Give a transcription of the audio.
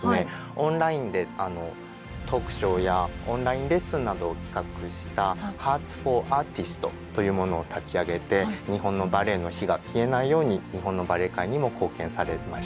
オンラインでトークショーやオンラインレッスンなどを企画した「ＨｅａｒｔｓｆｏｒＡｒｔｉｓｔｓ」というものを立ち上げて日本のバレエの灯が消えないように日本のバレエ界にも貢献されました。